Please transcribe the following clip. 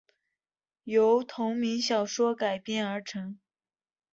由同名小说改编而成。